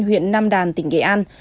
huyện nam đàn tỉnh nghệ an